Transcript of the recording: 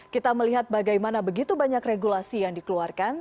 kita melihat bagaimana begitu banyak regulasi yang dikeluarkan